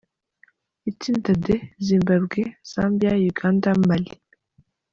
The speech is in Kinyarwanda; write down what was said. Itsinda D: Zimbabwe, Zambia, Uganda, Mali.